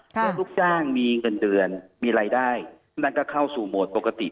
เพราะลูกจ้างมีเงินเดือนมีรายได้นั่นก็เข้าสู่โหมดปกติ